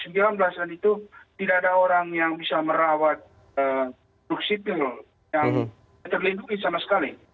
dan itu tidak ada orang yang bisa merawat duk sipil yang terlindungi sama sekali